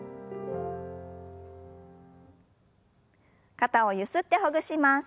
肩をゆすってほぐします。